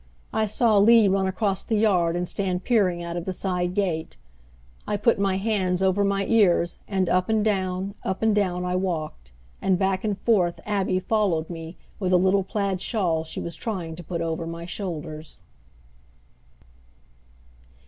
I saw Lee run across the yard and stand peering out of the side gate. I put my hands over my ears, and up and down, up and down I walked; and back and forth Abby followed me with a little plaid shawl she was trying to put over my shoulders.